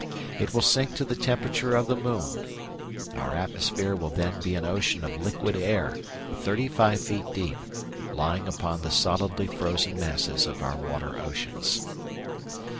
It will sink to the temperature of the moon. Our atmosphere will then be an ocean of liquid air, 35 feet deep, lying upon the solidly frozen masses of our water oceans.